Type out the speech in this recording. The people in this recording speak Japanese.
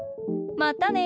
またね！